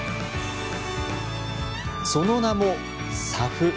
その名も「ＳＡＦ」。